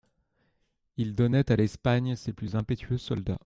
Ils donnaient à l'Espagne ses plus impétueux soldats.